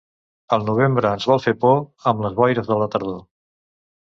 El novembre ens vol fer por, amb les boires de la tardor.